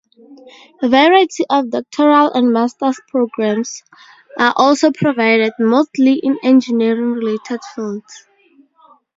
A variety of doctoral and master's programs are also provided, mostly in engineering-related fields.